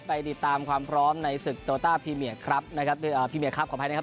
ไปติดตามความพร้อมในศึกโตต้าพรีเมียครับของไทยนะครับ